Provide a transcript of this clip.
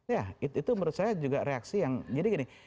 ya itu menurut saya juga reaksi yang jadi gini